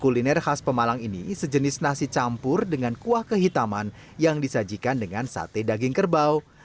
kuliner khas pemalang ini sejenis nasi campur dengan kuah kehitaman yang disajikan dengan sate daging kerbau